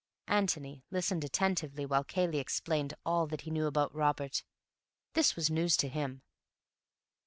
Antony listened attentively while Cayley explained all that he knew about Robert. This was news to him.